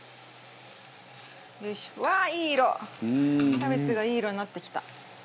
キャベツがいい色になってきた。